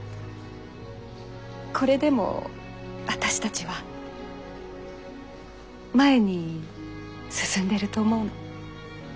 これでも私たちは前に進んでると思うの。